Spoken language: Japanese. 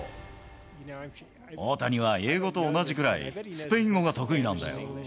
大谷は英語と同じぐらい、スペイン語が得意なんだよ。